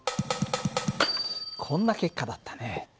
こんな結果だったね。